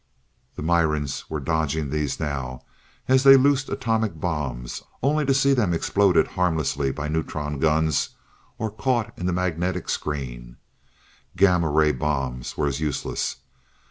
The Mirans were dodging these now as they loosed atomic bombs, only to see them exploded harmlessly by neutron guns, or caught in the magnetic screen. Gamma ray bombs were as useless.